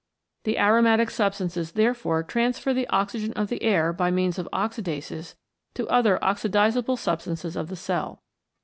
The aromatic substances therefore transfer the oxygen of the air by means of oxidases to other oxidable substances of the cell.